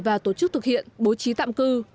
và tổ chức thực hiện bố trí tạm cư